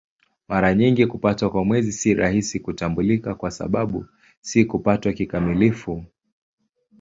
Mara nyingi kupatwa kwa Mwezi si rahisi kutambulika kwa sababu si kupatwa kikamilifu.